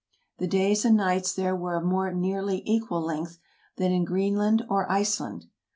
The days and nights there were of more nearly equal length than in Greenland or Iceland.